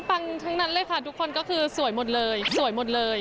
ทั้งนั้นเลยค่ะทุกคนก็คือสวยหมดเลยสวยหมดเลย